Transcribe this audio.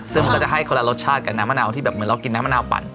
ซึ่งมันก็จะให้คนละรสชาติกับน้ำมะนาวที่แบบเหมือนเรากินน้ำมะนาวปั่น